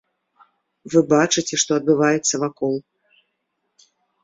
Вы бачыце, што адбываецца вакол.